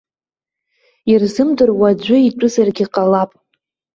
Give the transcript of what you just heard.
Ирзымдыруа аӡәы итәызаргьы ҟалап.